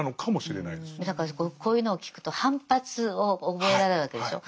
だからこういうのを聞くと反発を覚えられるわけでしょう。